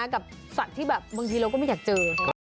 กับสัตว์ที่แบบบางทีเราก็ไม่อยากเจอ